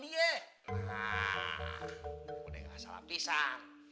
nah boleh gak salah pisang